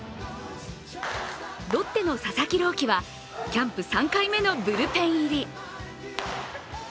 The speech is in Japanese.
ロッテの佐々木朗希はキャンプ３回目のブルペン入り。